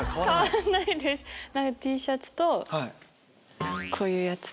Ｔシャツとこういうやつ。